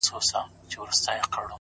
o کومه ورځ چي تاته زه ښېرا کوم ـ